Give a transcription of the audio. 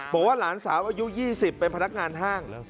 บอกว่าหลานสาวอายุ๒๐เป็นพนักงานห้าง